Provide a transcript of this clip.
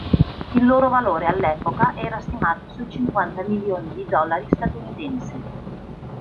Il loro valore all'epoca era stimato sui cinquanta milioni di dollari statunitensi.